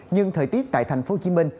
nhưng thời tiết tại thành phố hồ chí minh